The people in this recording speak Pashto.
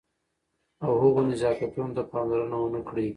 او هغو نزاکتونو ته پاملرنه ونه کړئ.